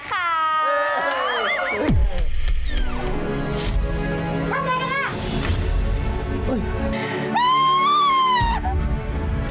ทำไงนะคะ